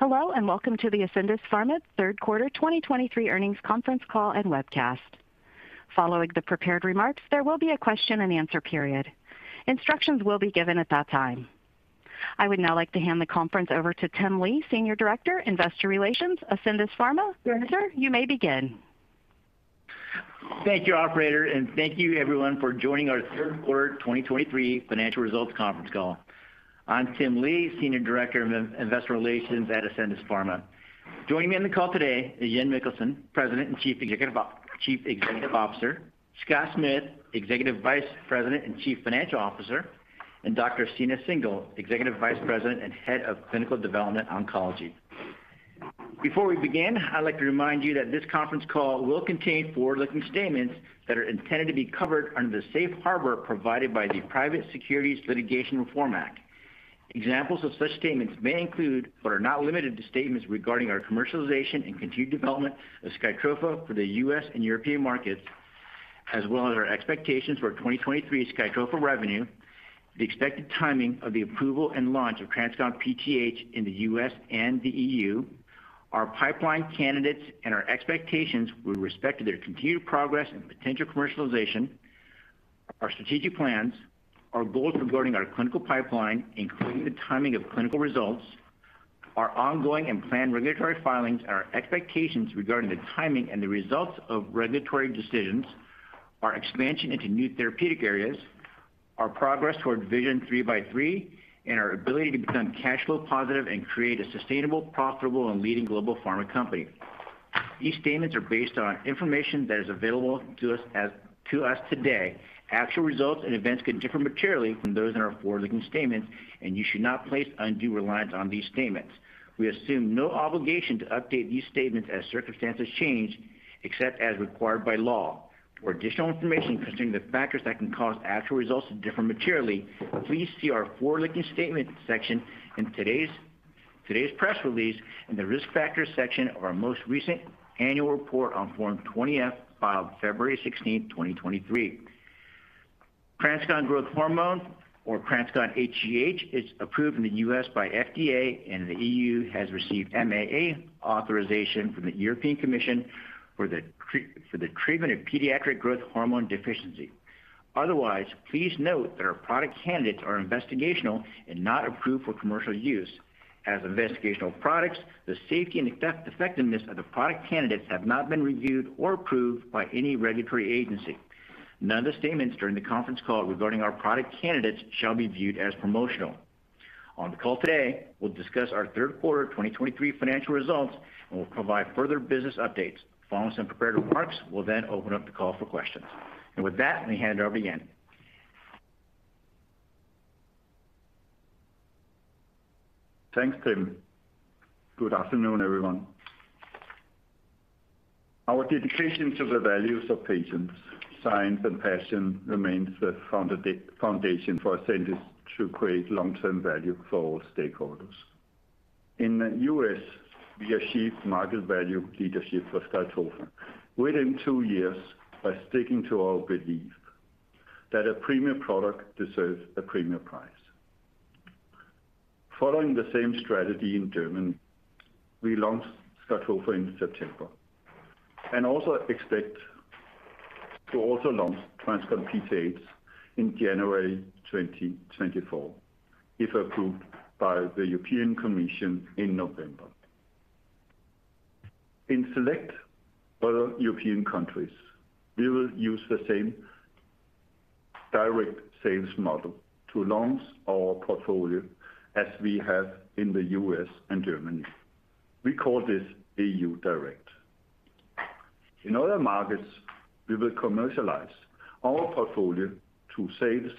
Hello, and welcome to the Ascendis Pharma third quarter 2023 earnings conference call and webcast. Following the prepared remarks, there will be a question-and-answer period. Instructions will be given at that time. I would now like to hand the conference over to Tim Lee, Senior Director, Investor Relations, Ascendis Pharma. Sir, you may begin. Thank you, operator, and thank you everyone for joining our third quarter 2023 financial results conference call. I'm Tim Lee, Senior Director of Investor Relations at Ascendis Pharma. Joining me on the call today is Jan Mikkelsen, President and Chief Executive Officer; Scott Smith, Executive Vice President and Chief Financial Officer, and Dr. Stina Singel, Executive Vice President and Head of Clinical Development, Oncology. Before we begin, I'd like to remind you that this conference call will contain forward-looking statements that are intended to be covered under the safe harbor provided by the Private Securities Litigation Reform Act. Examples of such statements may include, but are not limited to, statements regarding our commercialization and continued development of SKYTROFA for the U.S. and European markets, as well as our expectations for 2023 SKYTROFA revenue, the expected timing of the approval and launch of TransCon PTH in the U.S. and the E.U., our pipeline candidates, and our expectations with respect to their continued progress and potential commercialization. Our strategic plans, our goals regarding our clinical pipeline, including the timing of clinical results, our ongoing and planned regulatory filings, and our expectations regarding the timing and the results of regulatory decisions, our expansion into new therapeutic areas, our progress toward Vision 3x3, and our ability to become cash flow positive and create a sustainable, profitable, and leading global pharma company. These statements are based on information that is available to us today. Actual results and events could differ materially from those in our forward-looking statements, and you should not place undue reliance on these statements. We assume no obligation to update these statements as circumstances change, except as required by law. For additional information concerning the factors that can cause actual results to differ materially, please see our forward-looking statement section in today's press release, and the Risk Factors section of our most recent annual report on Form 20-F, filed February 16, 2023. TransCon Growth Hormone, or TransCon hGH, is approved in the U.S. by FDA, and the E.U. has received MAA authorization from the European Commission for the treatment of pediatric growth hormone deficiency. Otherwise, please note that our product candidates are investigational and not approved for commercial use. As investigational products, the safety and effectiveness of the product candidates have not been reviewed or approved by any regulatory agency. None of the statements during the conference call regarding our product candidates shall be viewed as promotional. On the call today, we'll discuss our third quarter 2023 financial results, and we'll provide further business updates. Following some prepared remarks, we'll then open up the call for questions. With that, let me hand it over to Jan. Thanks, Tim. Good afternoon, everyone. Our dedication to the values of patients, science, and passion remains the foundation for Ascendis to create long-term value for all stakeholders. In the U.S., we achieved market value leadership for SKYTROFA within two years by sticking to our belief that a premium product deserves a premium price. Following the same strategy in Germany, we launched SKYTROFA in September, and also expect to launch TransCon PTH in January 2024, if approved by the European Commission in November. In select other European countries, we will use the same direct sales model to launch our portfolio as we have in the U.S. and Germany. We call this E.U. Direct. In other markets, we will commercialize our portfolio to sales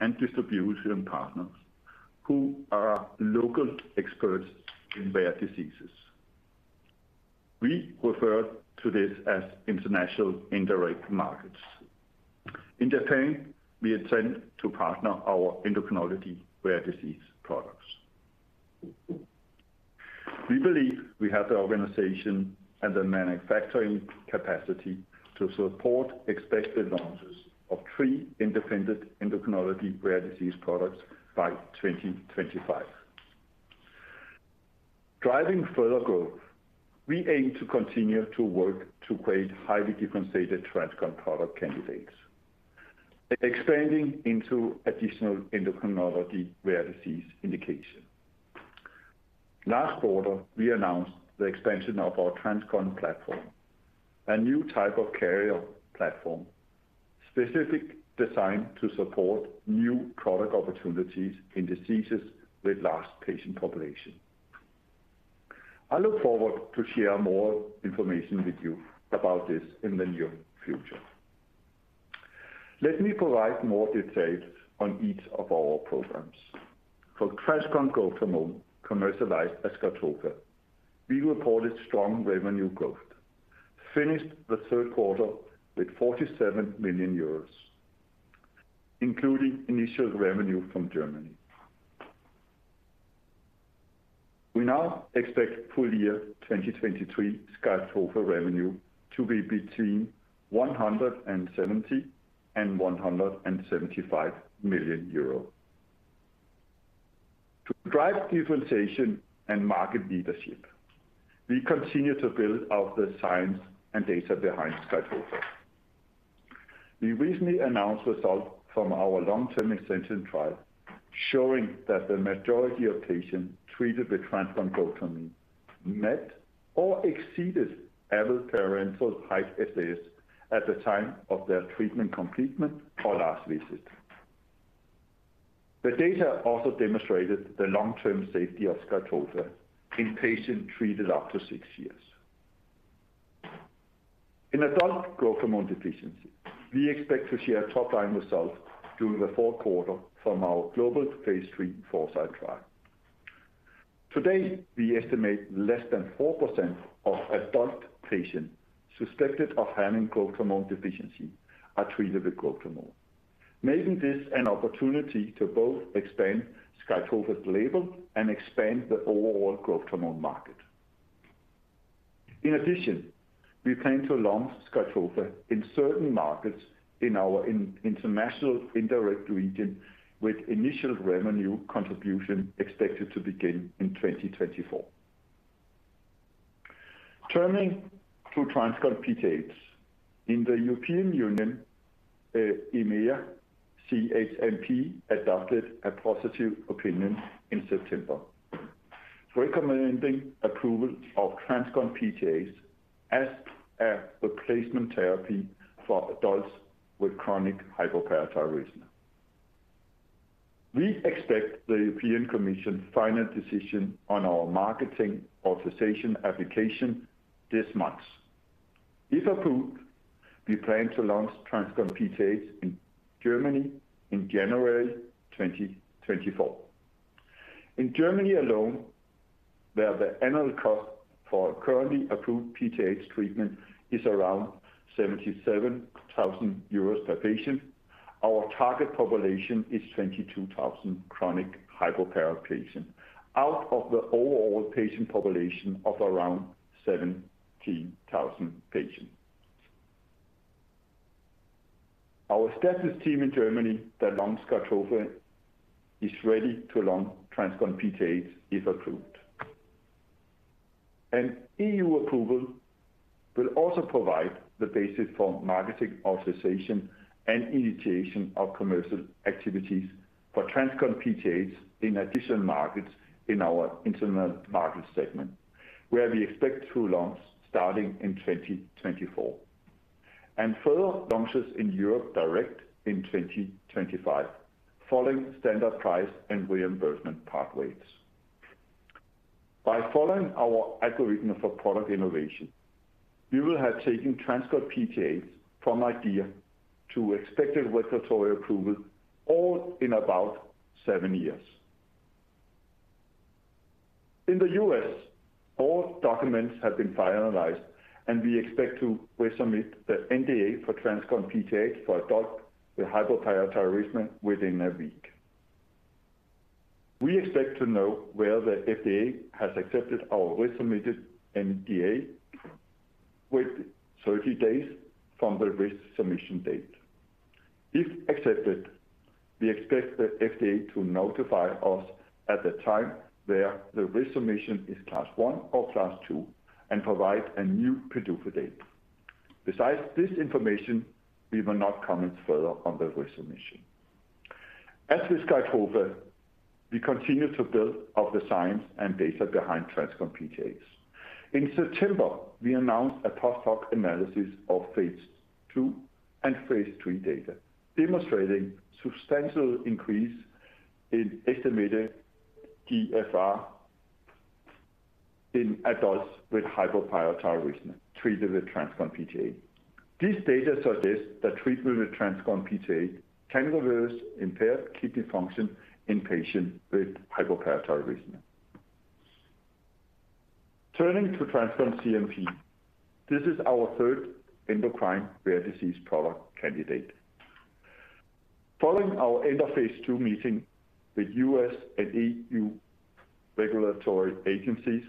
and distribution partners who are local experts in rare diseases. We refer to this as international indirect markets. In Japan, we intend to partner our endocrinology rare disease products. We believe we have the organization and the manufacturing capacity to support expected launches of three independent endocrinology rare disease products by 2025. Driving further growth, we aim to continue to work to create highly differentiated TransCon product candidates, expanding into additional endocrinology rare disease indication. Last quarter, we announced the expansion of our TransCon platform. A new type of carrier platform specifically designed to support new product opportunities in diseases with large patient population. I look forward to share more information with you about this in the near future. Let me provide more details on each of our programs. For TransCon Growth Hormone, commercialized as SKYTROFA, we reported strong revenue growth, finished the third quarter with 47 million euros, including initial revenue from Germany. We now expect full year 2023 SKYTROFA revenue to be between 170 million and 175 million euros. To drive utilization and market leadership, we continue to build out the science and data behind SKYTROFA. We recently announced results from our long-term extension trial, showing that the majority of patients treated with TransCon growth hormone met or exceeded adult parental height SDS at the time of their treatment completion or last visit. The data also demonstrated the long-term safety of SKYTROFA in patients treated up to six years. In adult growth hormone deficiency, we expect to share top-line results during the fourth quarter from our global phase III FORESIGHT trial. Today, we estimate less than 4% of adult patients suspected of having growth hormone deficiency are treated with growth hormone, making this an opportunity to both expand SKYTROFA's label and expand the overall growth hormone market. In addition, we plan to launch SKYTROFA in certain markets in our international indirect region, with initial revenue contribution expected to begin in 2024. Turning to TransCon PTH. In the European Union, EMEA, CHMP adopted a positive opinion in September, recommending approval of TransCon PTH as a replacement therapy for adults with chronic hypoparathyroidism. We expect the European Commission final decision on our marketing authorization application this month. If approved, we plan to launch TransCon PTH in Germany in January 2024. In Germany alone, where the annual cost for currently approved PTH treatment is around 77,000 euros per patient, our target population is 22,000 chronic hypoparathyroid patients, out of the overall patient population of around 17,000 patients. Our sales team in Germany that launched SKYTROFA is ready to launch TransCon PTH, if approved. An EU approval will also provide the basis for marketing authorization and initiation of commercial activities for TransCon PTH in additional markets in our international market segment, where we expect to launch starting in 2024, and further launches in EU Direct in 2025, following standard price and reimbursement pathways. By following our algorithm for product innovation, we will have taken TransCon PTH from idea to expected regulatory approval, all in about seven years. In the U.S., all documents have been finalized, and we expect to resubmit the NDA for TransCon PTH for adults with hypoparathyroidism within a week. We expect to know whether the FDA has accepted our resubmitted NDA within 30 days from the resubmission date. If accepted, we expect the FDA to notify us at the time where the resubmission is Class 1 or Class 2 and provide a new PDUFA date. Besides this information, we will not comment further on the resubmission. As with SKYTROFA, we continue to build out the science and data behind TransCon PTH. In September, we announced a post-hoc analysis of phase II and phase III data, demonstrating substantial increase in estimated eGFR in adults with hypoparathyroidism treated with TransCon PTH. This data suggests that treatment with TransCon PTH can reverse impaired kidney function in patients with hypoparathyroidism. Turning to TransCon CNP, this is our third endocrine rare disease product candidate. Following our end-of-phase II meeting with U.S. and E.U. regulatory agencies,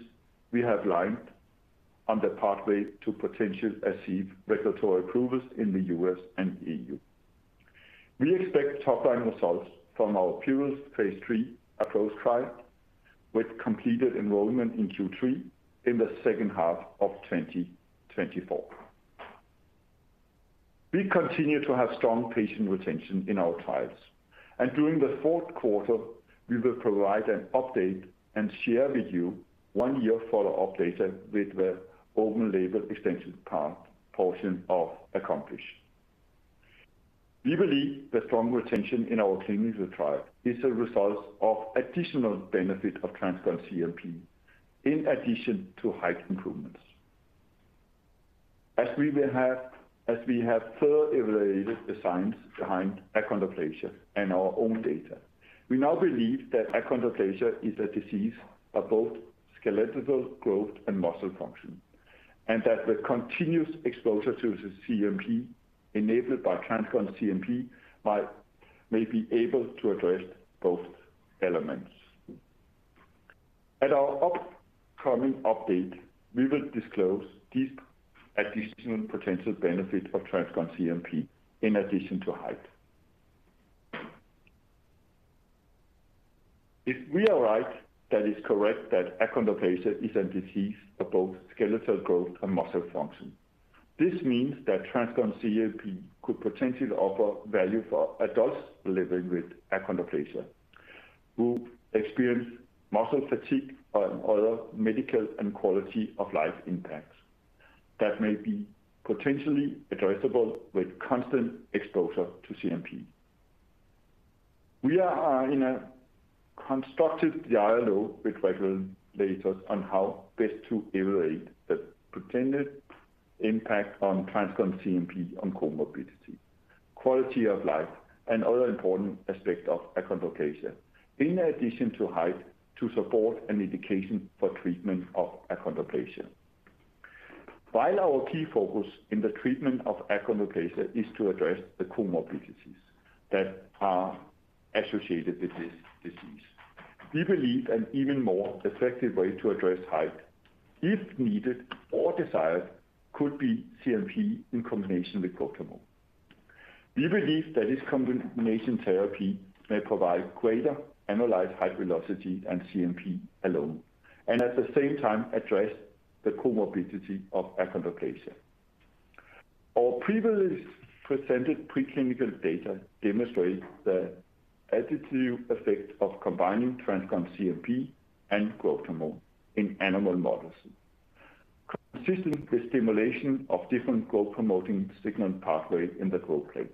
we have aligned on the pathway to potentially achieve regulatory approvals in the U.S. and E.U. We expect top-line results from our PURUS phase III ApproaCH trial with completed enrollment in Q3 in the second half of 2024. We continue to have strong patient retention in our trials, and during the fourth quarter, we will provide an update and share with you one-year follow-up data with the open-label extension portion of ACCOMPLISH. We believe the strong retention in our clinical trial is a result of additional benefit of TransCon CNP in addition to height improvements. As we have further evaluated the science behind achondroplasia and our own data, we now believe that achondroplasia is a disease of both skeletal growth and muscle function, and that the continuous exposure to the CNP enabled by TransCon CNP might, may be able to address both elements. At our upcoming update, we will disclose these additional potential benefits of TransCon CNP in addition to height. If we are right, that is correct that achondroplasia is a disease of both skeletal growth and muscle function. This means that TransCon CNP could potentially offer value for adults living with achondroplasia, who experience muscle fatigue and other medical and quality of life impacts that may be potentially addressable with constant exposure to CNP. We are in a constructive dialogue with regulators on how best to evaluate the potential impact of TransCon CNP on comorbidities, quality of life, and other important aspects of achondroplasia, in addition to height, to support an indication for treatment of achondroplasia. While our key focus in the treatment of achondroplasia is to address the comorbidities that are associated with this disease, we believe an even more effective way to address height, if needed or desired, could be CNP in combination with growth hormone. We believe that this combination therapy may provide greater annualized height velocity than CNP alone, and at the same time address the comorbidity of achondroplasia. Our previously presented preclinical data demonstrates the additive effect of combining TransCon CNP and growth hormone in animal models, consistent with stimulation of different growth-promoting signaling pathways in the growth plate.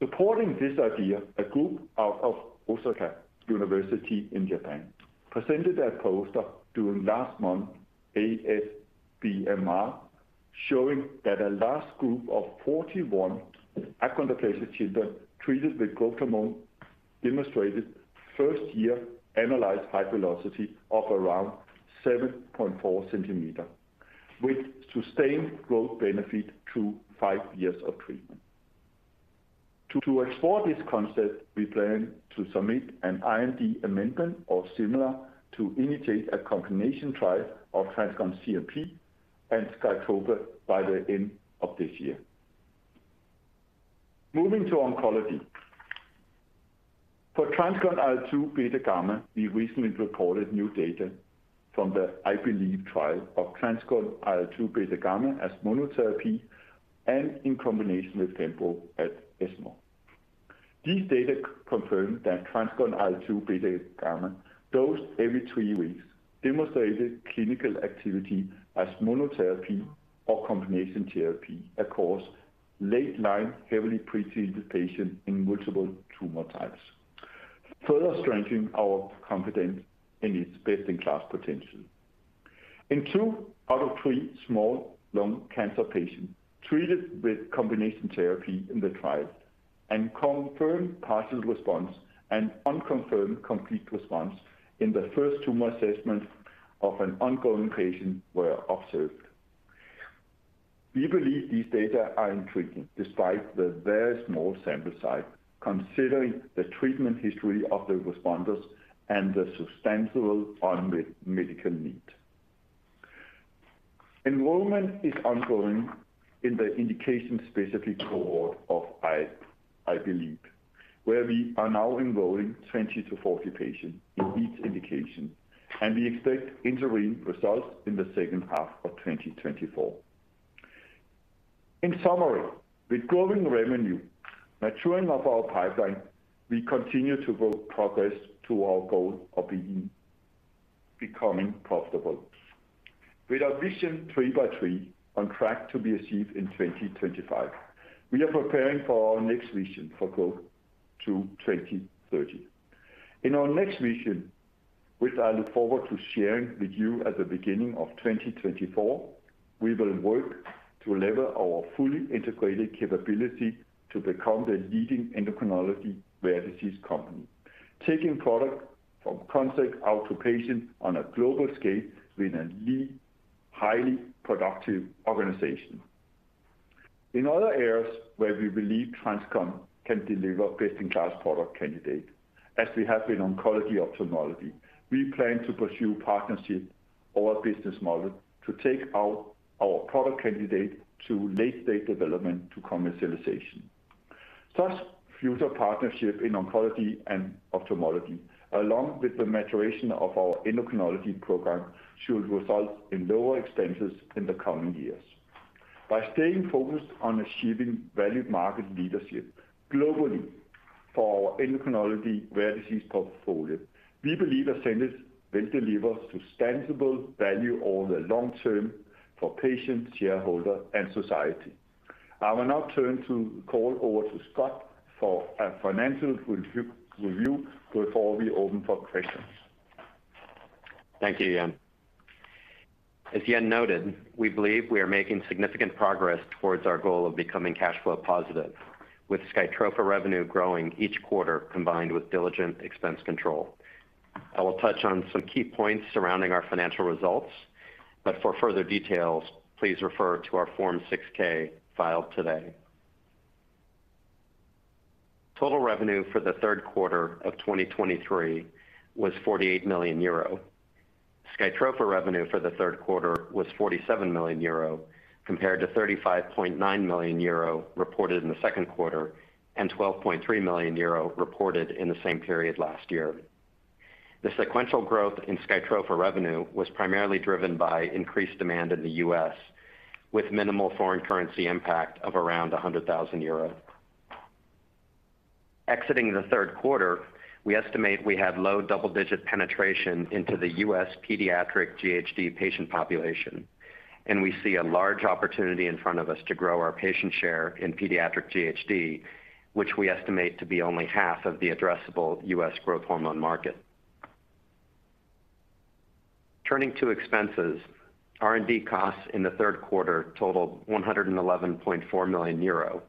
Supporting this idea, a group out of Osaka University in Japan presented a poster during last month's ASBMR, showing that a large group of 41 achondroplasia children treated with growth hormone demonstrated first year annualized height velocity of around 7.4 cm, with sustained growth benefit through five years of treatment. To explore this concept, we plan to submit an IND amendment or similar to initiate a combination trial of TransCon CNP and SKYTROFA by the end of this year. Moving to oncology. For TransCon IL-2 beta gamma, we recently reported new data from the IL-Believe trial of TransCon IL-2 beta gamma as monotherapy and in combination with pembro at ESMO. These data confirm that TransCon IL-2 beta gamma, dosed every three weeks, demonstrated clinical activity as monotherapy or combination therapy across late-line, heavily pre-treated patients in multiple tumor types, further strengthening our confidence in its best-in-class potential. In two out of three small cell lung cancer patients treated with combination therapy in the trial, confirmed partial response and unconfirmed complete response in the first tumor assessment of an ongoing patient were observed. We believe these data are intriguing despite the very small sample size, considering the treatment history of the responders and the substantial unmet medical need. Enrollment is ongoing in the indication-specific cohort of IL-Believe, where we are now enrolling 20-40 patients in each indication, and we expect interim results in the second half of 2024. In summary, with growing revenue, maturing of our pipeline, we continue to build progress to our goal of becoming profitable. With our vision three by three on track to be achieved in 2025, we are preparing for our next vision for growth to 2030. In our next vision, which I look forward to sharing with you at the beginning of 2024, we will work to lever our fully integrated capability to become the leading endocrinology rare disease company, taking product from concept out to patient on a global scale with a lean, highly productive organization. In other areas where we believe TransCon can deliver best-in-class product candidate, as we have in oncology, ophthalmology, we plan to pursue partnerships or a business model to take our product candidate to late-stage development to commercialization. Thus, future partnership in oncology and ophthalmology, along with the maturation of our endocrinology program, should result in lower expenses in the coming years. By staying focused on achieving valued market leadership globally for our endocrinology rare disease portfolio, we believe Ascendis will deliver sustainable value over the long term for patients, shareholders, and society. I will now turn to call over to Scott for a financial review before we open for questions. Thank you, Jan. As Jan noted, we believe we are making significant progress towards our goal of becoming cash flow positive, with SKYTROFA revenue growing each quarter, combined with diligent expense control. I will touch on some key points surrounding our financial results, but for further details, please refer to our Form 6-K filed today. Total revenue for the third quarter of 2023 was 48 million euro. SKYTROFA revenue for the third quarter was 47 million euro, compared to 35.9 million euro reported in the second quarter, and 12.3 million euro reported in the same period last year. The sequential growth in SKYTROFA revenue was primarily driven by increased demand in the U.S., with minimal foreign currency impact of around 100,000 euros. Exiting the third quarter, we estimate we have low double-digit penetration into the U.S. pediatric GHD patient population, and we see a large opportunity in front of us to grow our patient share in pediatric GHD, which we estimate to be only half of the addressable U.S. growth hormone market. Turning to expenses, R&D costs in the third quarter totaled 111.4 million euro,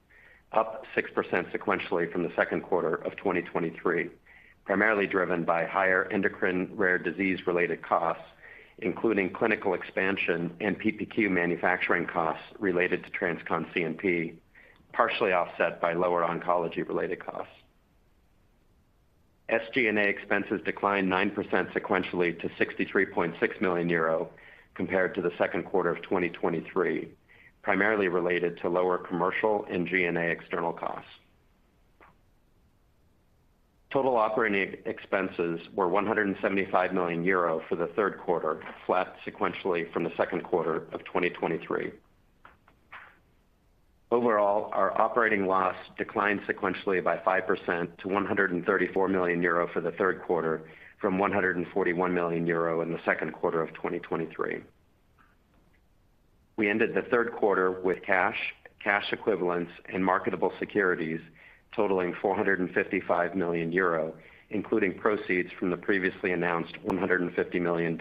up 6% sequentially from the second quarter of 2023, primarily driven by higher endocrine rare disease-related costs, including clinical expansion and PPQ manufacturing costs related to TransCon CNP, partially offset by lower oncology-related costs. SG&A expenses declined 9% sequentially to 63.6 million euro compared to the second quarter of 2023, primarily related to lower commercial and G&A external costs. Total operating expenses were 175 million euro for the third quarter, flat sequentially from the second quarter of 2023. Overall, our operating loss declined sequentially by 5% to 134 million euro for the third quarter, from 141 million euro in the second quarter of 2023. We ended the third quarter with cash, cash equivalents, and marketable securities totaling 455 million euro, including proceeds from the previously announced $150 million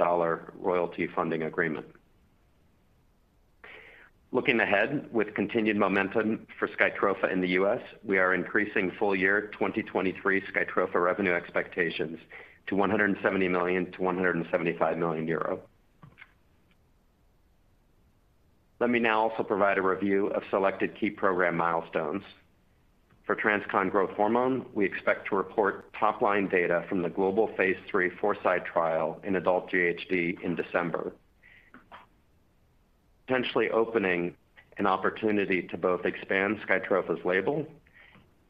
royalty funding agreement. Looking ahead, with continued momentum for SKYTROFA in the U.S., we are increasing full-year 2023 SKYTROFA revenue expectations to EUR 170 million-EUR 175 million. Let me now also provide a review of selected key program milestones. For TransCon Growth Hormone, we expect to report top-line data from the global phase III Foresight trial in adult GHD in December, potentially opening an opportunity to both expand SKYTROFA's label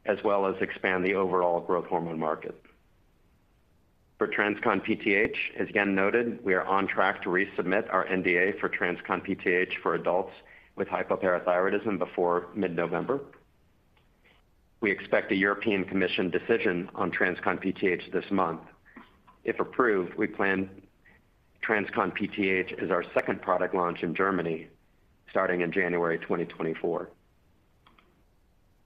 as well as expand the overall growth hormone market. For TransCon PTH, as again noted, we are on track to resubmit our NDA for TransCon PTH for adults with hypoparathyroidism before mid-November. We expect a European Commission decision on TransCon PTH this month. If approved, we plan TransCon PTH as our second product launch in Germany, starting in January 2024.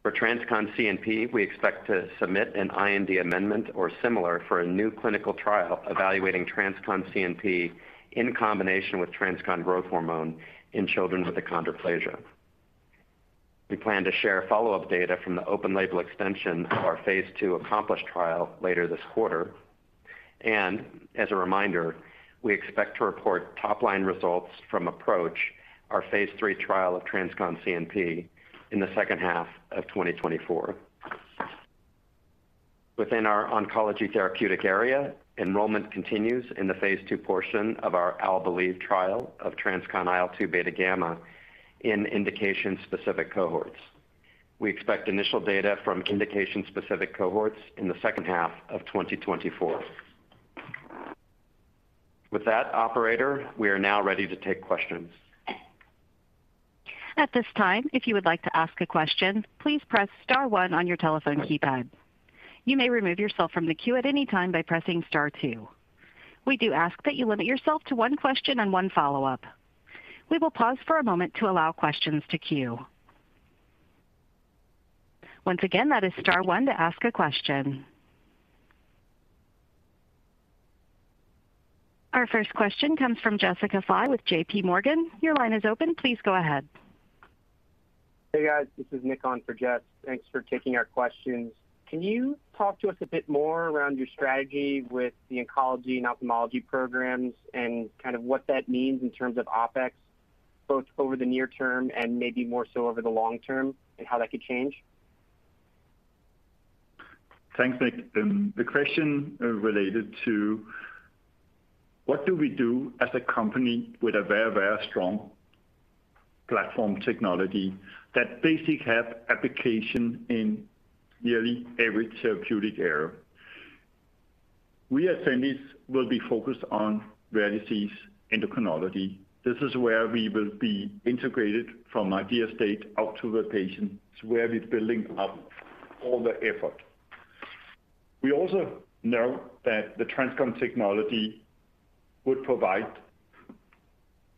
For TransCon CNP, we expect to submit an IND amendment or similar for a new clinical trial evaluating TransCon CNP in combination with TransCon Growth Hormone in children with achondroplasia. We plan to share follow-up data from the open label extension of our phase II ACCOMPLISH trial later this quarter. And as a reminder, we expect to report top-line results from ApproaCH, our phase III trial of TransCon CNP, in the second half of 2024. Within our oncology therapeutic area, enrollment continues in the phase II portion of our IL-Believe trial of TransCon IL-2 beta gamma in indication-specific cohorts. We expect initial data from indication-specific cohorts in the second half of 2024. With that, operator, we are now ready to take questions. At this time, if you would like to ask a question, please press star one on your telephone keypad. You may remove yourself from the queue at any time by pressing star two. We do ask that you limit yourself to one question and one follow-up. We will pause for a moment to allow questions to queue. Once again, that is star one to ask a question. Our first question comes from Jessica Fye with JPMorgan. Your line is open. Please go ahead. Hey, guys, this is Nick on for Jess. Thanks for taking our questions. Can you talk to us a bit more around your strategy with the oncology and ophthalmology programs and kind of what that means in terms of OpEx, both over the near term and maybe more so over the long term, and how that could change? Thanks, Nick. The question related to what do we do as a company with a very, very strong platform technology that basically have application in nearly every therapeutic area? We at Ascendis will be focused on rare disease endocrinology. This is where we will be integrated from idea state out to the patient. It's where we're building up all the effort. We also know that the TransCon technology would provide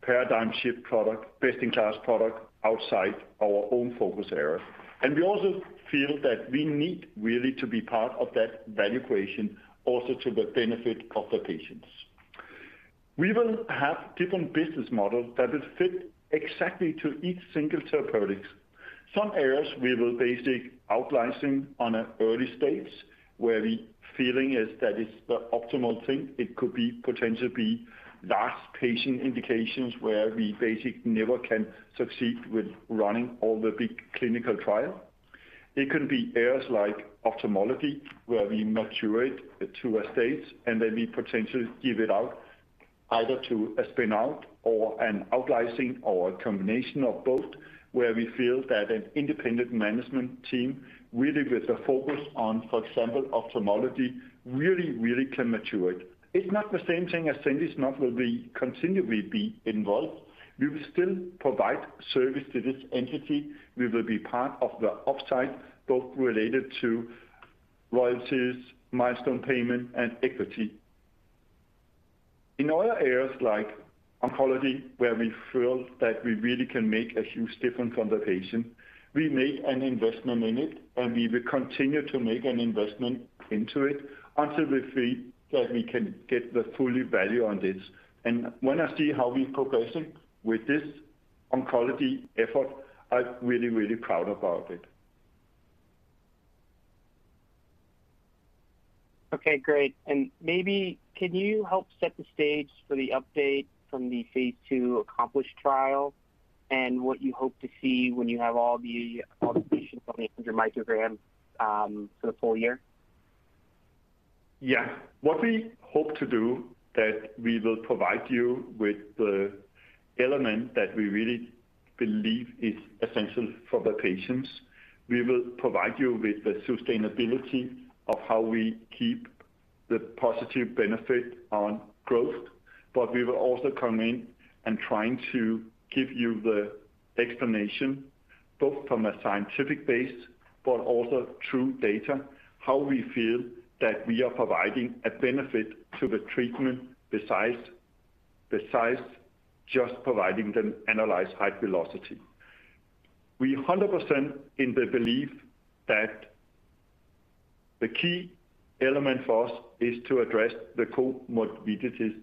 paradigm shift product, best-in-class product outside our own focus area. And we also feel that we need really to be part of that value creation, also to the benefit of the patients. We will have different business models that will fit exactly to each single therapeutics. Some areas we will basic out licensing on an early stage where the feeling is that it's the optimal thing. It could be potentially last patient indications where we basically never can succeed with running all the big clinical trial. It could be areas like ophthalmology, where we mature it to a state, and then we potentially give it out either to a spin out or an out licensing or a combination of both, where we feel that an independent management team, really with a focus on, for example, ophthalmology, really, really can mature it. It's not the same thing as saying it's not where we continually be involved. We will still provide service to this entity. We will be part of the upside, both related to royalties, milestone payment, and equity. In other areas like oncology, where we feel that we really can make a huge difference on the patient, we make an investment in it, and we will continue to make an investment into it until we feel that we can get the full value on this. When I see how we progressing with this oncology effort, I'm really, really proud about it. Okay, great. And maybe can you help set the stage for the update from the phase II ACCOMPLISH trial and what you hope to see when you have all the observations on the [inaudible] for the full year? Yeah. What we hope to do, that we will provide you with the element that we really believe is essential for the patients. We will provide you with the sustainability of how we keep the positive benefit on growth, but we will also come in and trying to give you the explanation, both from a scientific base, but also through data, how we feel that we are providing a benefit to the treatment besides, besides just providing them annualized height velocity. We 100% in the belief that the key element for us is to address the comorbidities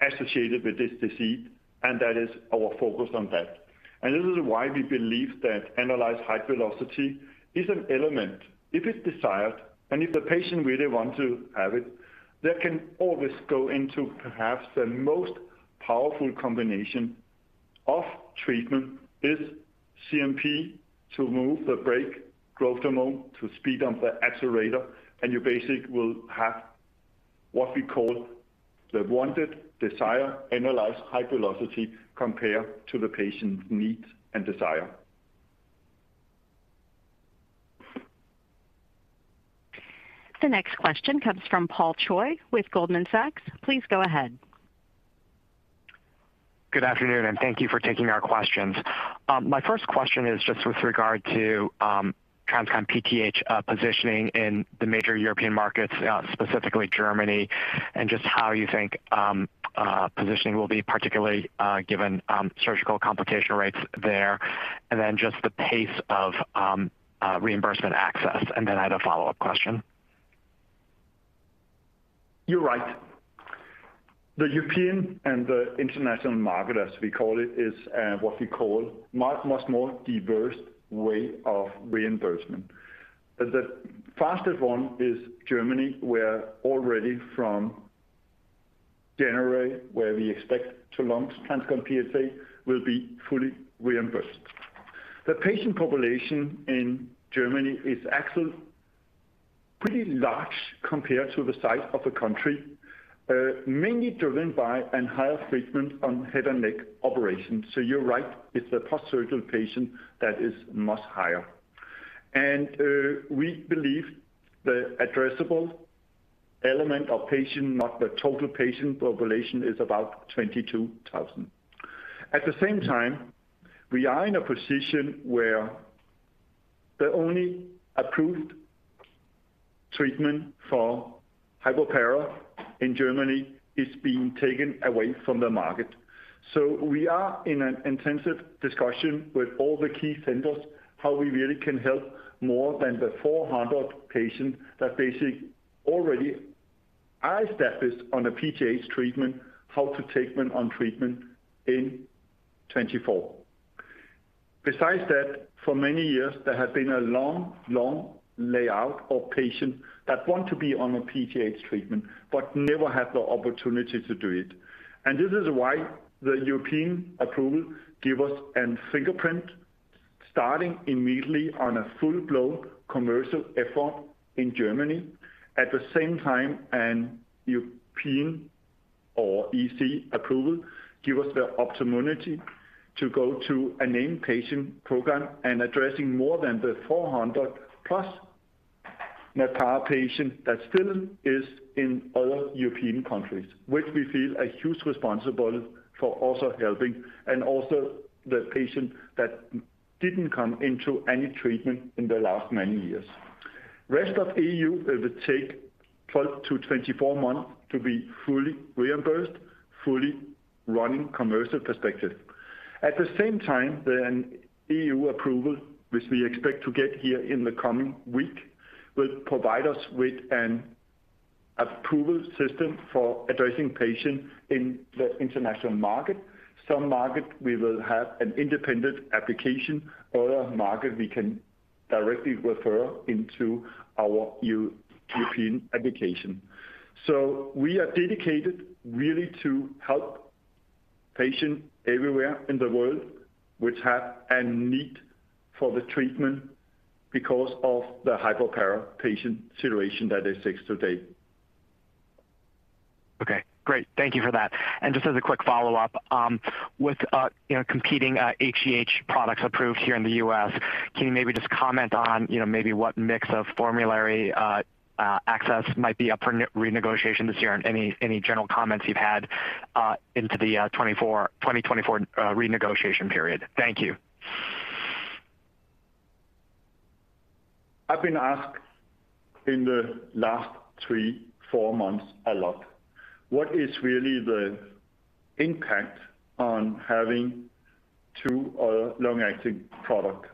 associated with this disease, and that is our focus on that. And this is why we believe that annualized height velocity is an element. If it's desired, and if the patient really want to have it, that can always go into perhaps the most powerful combination of treatment is CNP to move the brake, growth hormone to step on the accelerator, and you basically will have what we call the wanted desired annualized height velocity, compared to the patient's needs and desire. The next question comes from Paul Choi with Goldman Sachs. Please go ahead. Good afternoon, and thank you for taking our questions. My first question is just with regard to TransCon PTH positioning in the major European markets, specifically Germany, and just how you think positioning will be particularly given surgical complication rates there, and then just the pace of reimbursement access. And then I had a follow-up question. You're right. The European and the international market, as we call it, is what we call much, much more diverse way of reimbursement. But the fastest one is Germany, where already from January, where we expect to launch TransCon PTH will be fully reimbursed. The patient population in Germany is actually pretty large compared to the size of the country, mainly driven by and higher treatment on head and neck operations. So you're right, it's the post-surgical patient that is much higher. And we believe the addressable element of patient, not the total patient population, is about 22,000. At the same time, we are in a position where the only approved treatment for hypoparathyroidism in Germany is being taken away from the market. So we are in an intensive discussion with all the key centers how we really can help more than the 400 patients that basically already are established on a PTH treatment, how to take them on treatment in 2024. Besides that, for many years, there has been a long, long waitlist of patients that want to be on a PTH treatment but never had the opportunity to do it. And this is why the European approval gives us a footprint, starting immediately on a full-blown commercial effort in Germany. At the same time, a European or EC approval gives us the opportunity to go to a in-patient program and addressing more than the 400+ hypoparathyroidism patients that still is in other European countries, which we feel a huge responsible for also helping, and also the patients that didn't come into any treatment in the last many years. Rest of E.U., it will take 12 months-24 months to be fully reimbursed, fully running commercial perspective. At the same time, the E.U. approval, which we expect to get here in the coming week, will provide us with an approval system for addressing patients in the international market. Some markets, we will have an independent application, other markets we can directly refer into our European application. We are dedicated really to help patients everywhere in the world, which have a need for the treatment because of the hypoparathyroid patient situation that they face today. Okay, great. Thank you for that. And just as a quick follow-up, with you know, competing HGH products approved here in the U.S., can you maybe just comment on, you know, maybe what mix of formulary access might be up for re-negotiation this year, and any general comments you've had into the 2024 renegotiation period? Thank you. I've been asked in the last three or four months a lot, what is really the impact on having two other long-acting products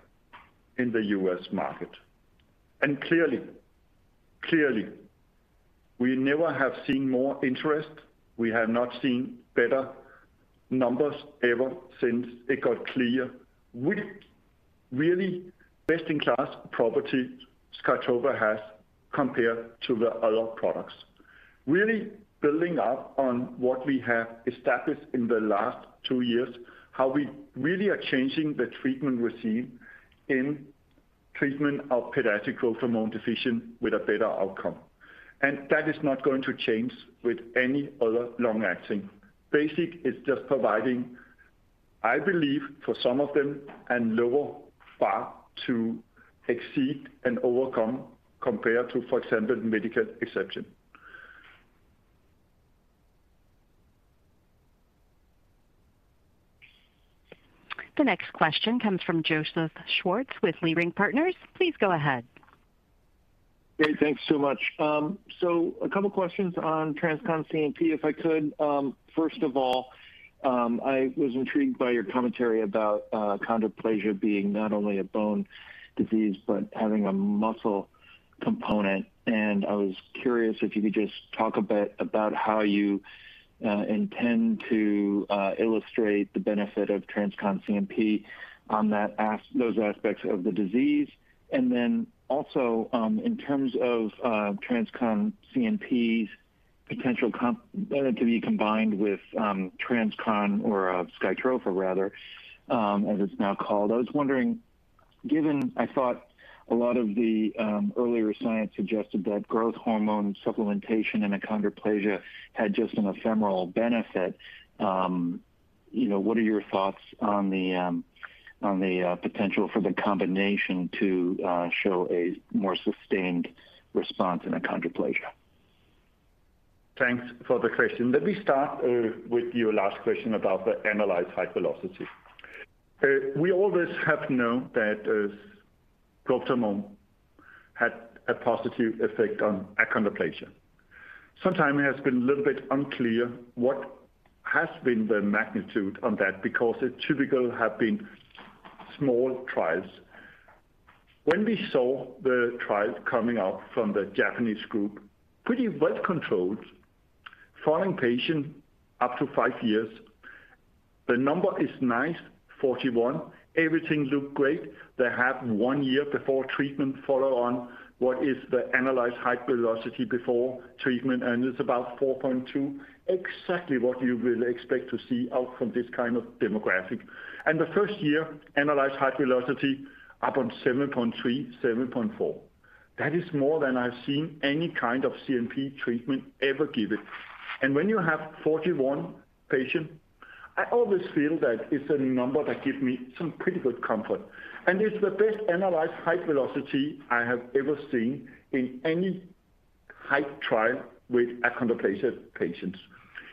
in the U.S. market? And clearly, clearly, we never have seen more interest. We have not seen better numbers ever since it got clear which really best-in-class property SKYTROFA has compared to the other products. Really building up on what we have established in the last two years, how we really are changing the treatment regimen in treatment of pediatric growth hormone deficient with a better outcome. And that is not going to change with any other long-acting. Basically, it's just providing, I believe, for some of them, a lower bar to exceed and overcome compared to, for example, medical exception. The next question comes from Joseph Schwartz with Leerink Partners. Please go ahead. Great, thanks so much. So a couple questions on TransCon CNP, if I could. First of all, I was intrigued by your commentary about achondroplasia being not only a bone disease, but having a muscle component. And I was curious if you could just talk a bit about how you intend to illustrate the benefit of TransCon CNP on those aspects of the disease. And then also, in terms of TransCon CNP's potential to be combined with TransCon or SKYTROFA rather, as it's now called. I was wondering, given I thought a lot of the earlier science suggested that growth hormone supplementation in achondroplasia had just an ephemeral benefit, you know, what are your thoughts on the potential for the combination to show a more sustained response in achondroplasia? Thanks for the question. Let me start with your last question about the annualized height velocity. We always have known that growth hormone had a positive effect on achondroplasia. Sometimes it has been a little bit unclear what has been the magnitude on that because it typically have been small trials. When we saw the trial coming out from the Japanese group, pretty well controlled, following patients up to five years. The number is nice, 41. Everything looked great. They have one year before treatment follow-up on what is the annualized height velocity before treatment, and it's about 4.2, exactly what you will expect to see out from this kind of demographic. And the first year, annualized height velocity up on 7.3, 7.4. That is more than I've seen any kind of CNP treatment ever given. And when you have 41 patients, I always feel that it's a number that gives me some pretty good comfort, and it's the best analyzed height velocity I have ever seen in any height trial with achondroplasia patients.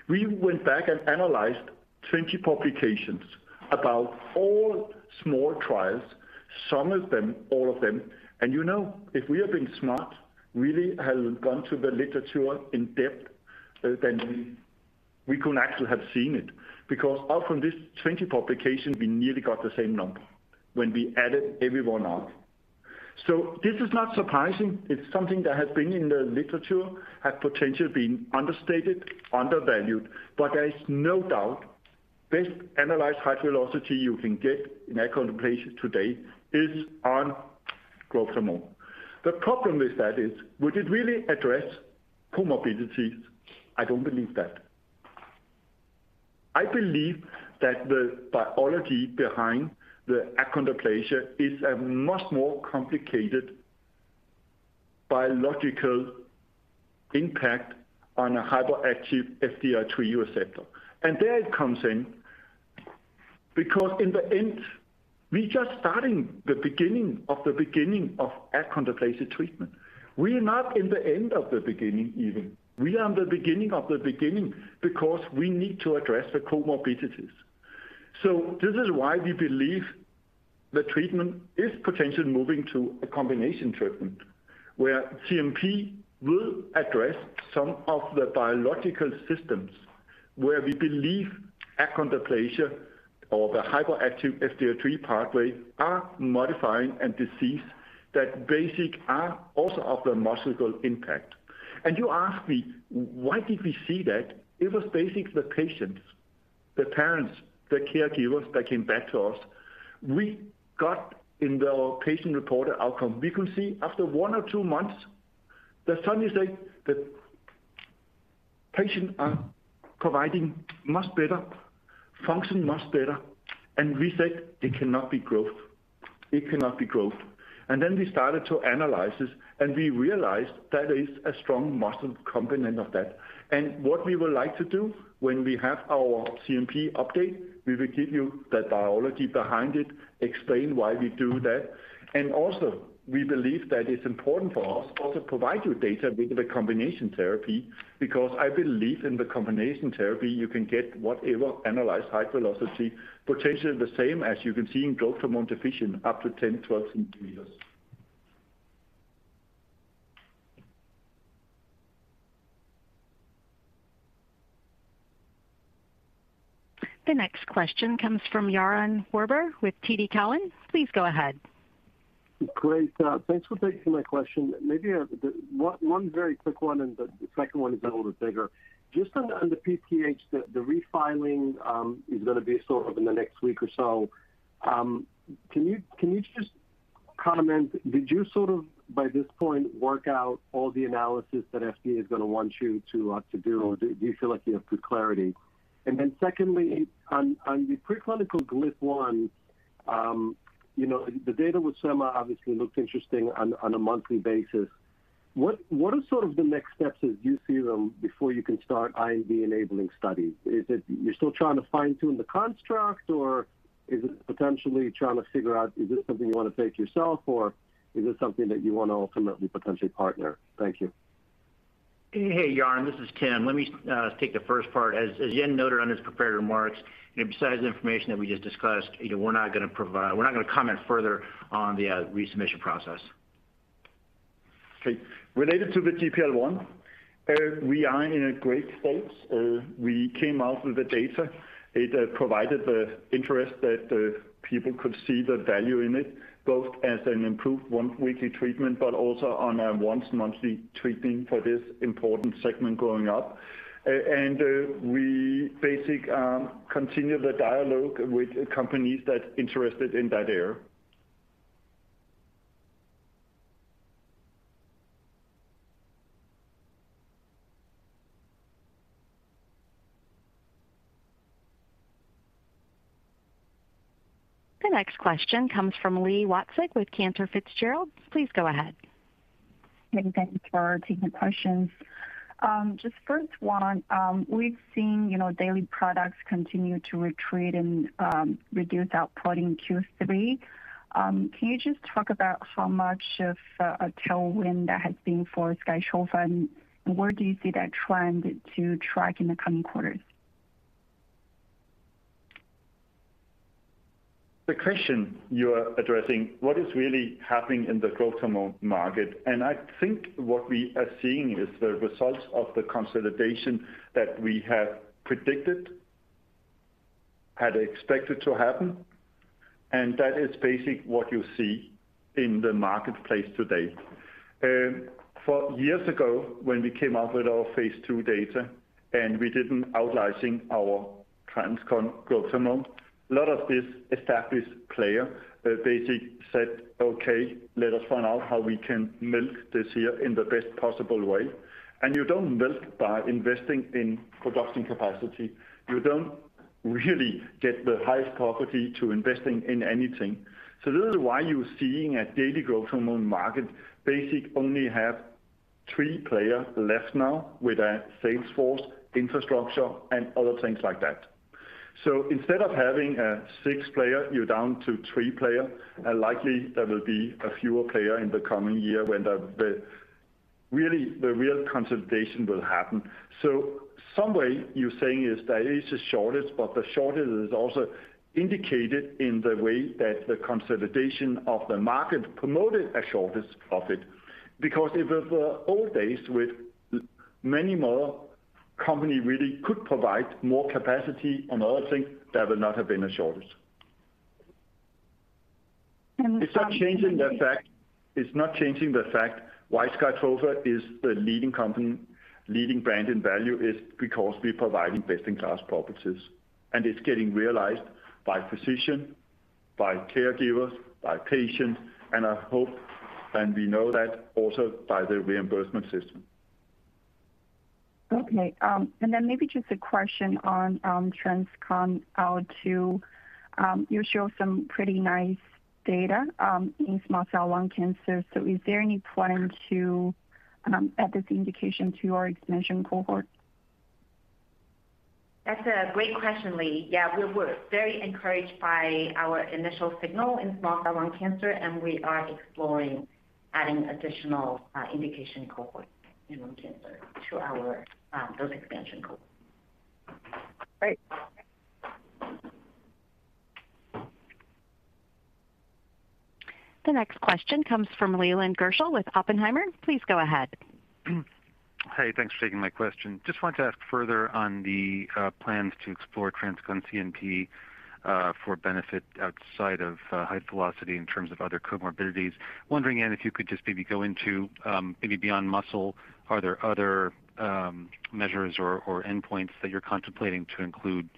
We went back and analyzed 20 publications about all small trials, some of them, all of them, and you know, if we have been smart, really have gone to the literature in depth, then we could actually have seen it, because out from this 20 publications, we nearly got the same number when we added everyone up. So this is not surprising. It's something that has been in the literature, had potentially been understated, undervalued, but there is no doubt, best analyzed height velocity you can get in achondroplasia today is on growth hormone. The problem with that is, would it really address comorbidities? I don't believe that. I believe that the biology behind the achondroplasia is a much more complicated biological impact on a hyperactive FGFR3 receptor. And there it comes in, because in the end, we just starting the beginning of the beginning of achondroplasia treatment. We are not in the end of the beginning, even. We are in the beginning of the beginning because we need to address the comorbidities. So this is why we believe the treatment is potentially moving to a combination treatment, where CNP will address some of the biological systems where we believe achondroplasia or the hyperactive FGFR3 pathway are modifying a disease that basic are also of the muscular impact. And you ask me, why did we see that? It was basically the patients, the parents, the caregivers that came back to us. We got in the patient-reported outcome. We could see after one or two months, they suddenly say that patients are providing much better, function much better, and we said it cannot be growth. It cannot be growth. Then we started to analyze this, and we realized that there is a strong muscle component of that. What we would like to do when we have our CMP update, we will give you the biology behind it, explain why we do that. And also we believe that it's important for us also to provide you data with the combination therapy, because I believe in the combination therapy, you can get annualized height velocity, potentially the same as you can see in growth hormone deficient up to 10 cm-12 cm. The next question comes from Yaron Werber with TD Cowen. Please go ahead. Great, thanks for taking my question. Maybe, one very quick one, and the second one is a little bit bigger. Just on the PTH, the refiling is going to be sort of in the next week or so. Can you just comment, did you sort of by this point work out all the analysis that FDA is going to want you to do, or do you feel like you have good clarity? And then secondly, on the preclinical GLP-1, you know, the data with Sema obviously looked interesting on a monthly basis. What are sort of the next steps as you see them before you can start IND-enabling studies? Is it you're still trying to fine-tune the construct, or is it potentially trying to figure out, is this something you want to take yourself, or is this something that you want to ultimately potentially partner? Thank you. Hey, Yaron, this is Tim. Let me take the first part. As Jan noted on his prepared remarks, besides the information that we just discussed, you know, we're not going to provide, we're not going to comment further on the resubmission process. Okay. Related to the GLP-1, we are in a great stage. We came out with the data. It provided the interest that the people could see the value in it, both as an improved once-weekly treatment, but also on a once-monthly treatment for this important segment growing up. And we basically continue the dialogue with companies that are interested in that area. The next question comes from Li Watsek with Cantor Fitzgerald. Please go ahead. Thank you for taking the questions. Just first one, we've seen, you know, daily products continue to retreat and reduce output in Q3. Can you just talk about how much of a tailwind that has been for SKYTROFA, and where do you see that trend to track in the coming quarters? The question you are addressing, what is really happening in the growth hormone market? I think what we are seeing is the results of the consolidation that we have predicted, had expected to happen, and that is basically what you see in the marketplace today. Four years ago, when we came out with our phase II data and we didn't out-license our TransCon Growth Hormone, a lot of these established players basically said, "Okay, let us find out how we can milk the market in the best possible way." You don't milk by investing in production capacity. You don't really get the highest priority to investing in anything. So this is why you're seeing the daily growth hormone market basically only has three players left now with a sales force, infrastructure, and other things like that. So, instead of having a six-player, you're down to three-player, and likely there will be a fewer player in the coming year when the real consolidation will happen. So, some way you're saying is there is a shortage, but the shortage is also indicated in the way that the consolidation of the market promoted a shortage of it. Because if it were old days with many more companies really could provide more capacity and other things, there would not have been a shortage. And- It's not changing the fact why SKYTROFA is the leading company. Leading brand in value is because we provide best-in-class properties, and it's getting realized by physician, by caregivers, by patients, and I hope, and we know that also by the reimbursement system. Okay. And then maybe just a question on TransCon IL-2. You show some pretty nice data in small cell lung cancer. So is there any plan to add this indication to your expansion cohort? That's a great question, Lee. Yeah, we're very encouraged by our initial signal in Small Cell Lung Cancer, and we are exploring adding additional indication cohort in lung cancer to our those expansion cohorts. Great. The next question comes from Leland Gershell with Oppenheimer. Please go ahead. Hey, thanks for taking my question. Just want to ask further on the plans to explore TransCon CNP for benefit outside of height velocity in terms of other comorbidities. Wondering, and if you could just maybe go into maybe beyond muscle, are there other measures or endpoints that you're contemplating to include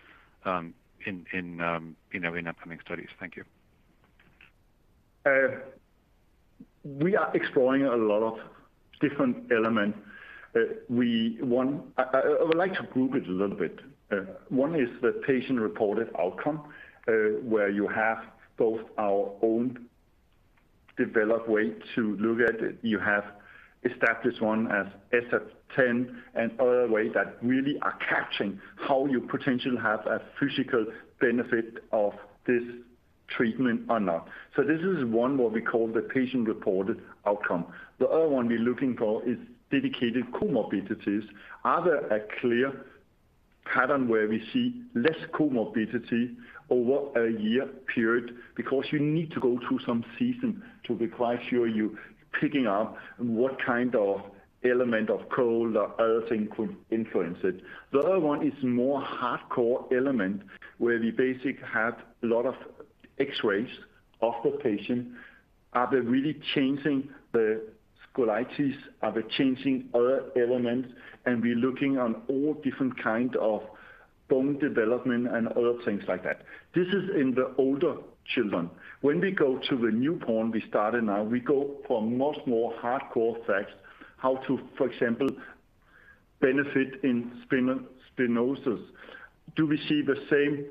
in upcoming studies? Thank you. We are exploring a lot of different elements. We want, I would like to group it a little bit. One is the patient-reported outcome, where you have both our own developed way to look at it. You have established one as SF-10, and other ways that really are catching how you potentially have a physical benefit of this treatment or not. So this is one what we call the patient-reported outcome. The other one we're looking for is dedicated comorbidities. Are there a clear pattern where we see less comorbidity over a year period? Because you need to go through some season to be quite sure you're picking up what kind of element of cold or other thing could influence it. The other one is more hardcore element, where we basically have a lot of X-rays of the patient. Are they really changing the scoliosis? Are they changing other elements? And we're looking on all different kind of bone development and other things like that. This is in the older children. When we go to the newborn, we started now, we go for much more hardcore facts, how to, for example, benefit in spinal stenosis. Do we see the same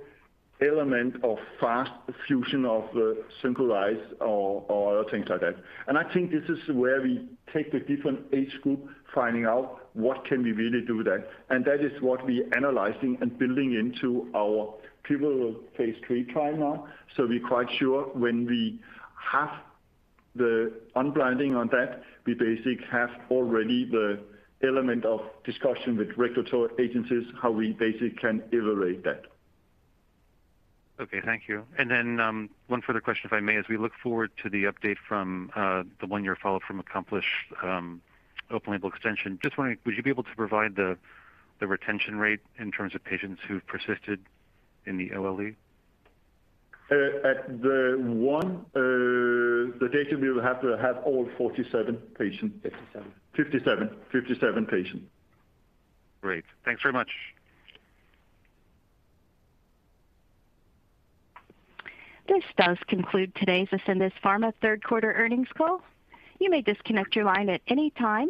element of fast fusion of the synchondroses or other things like that? I think this is where we take the different age group, finding out what can we really do there. That is what we're analyzing and building into our pivotal phase III trial now. We're quite sure when we have the unblinding on that, we basically have already the element of discussion with regulatory agencies, how we basically can evaluate that. Okay, thank you. Then, one further question, if I may, as we look forward to the update from the one-year follow-up from ACCOMPLISH open label extension. Just wondering, would you be able to provide the retention rate in terms of patients who've persisted in the OLE? At the one, the data, we will have to have all 47 patients. 57, 57 patients. Great. Thanks very much. This does conclude today's Ascendis Pharma third quarter earnings call. You may disconnect your line at any time.